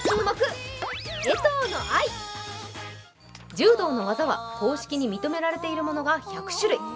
柔道の技は公式に認められているものが１００種類。